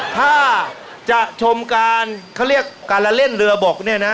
ถ้าจะชมการเขาเรียกการละเล่นเรือบกเนี่ยนะ